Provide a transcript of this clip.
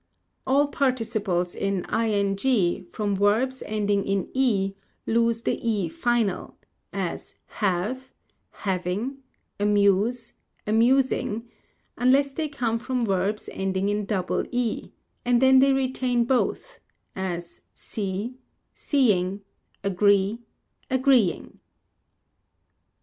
All participles in ing from verbs ending in e lose the e final; as have, having; amuse, amusing; unless they come from verbs ending in double e, and then they retain, both; as, _see, seeing; agree, agreeing.